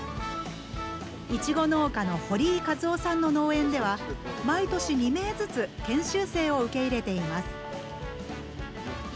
いちご農家の堀井一雄さんの農園では毎年２名ずつ研修生を受け入れています。